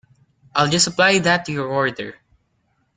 I'll just apply that to your order.